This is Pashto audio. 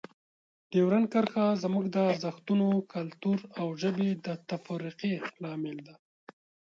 ډیورنډ کرښه زموږ د ارزښتونو، کلتور او ژبې د تفرقې لامل ده.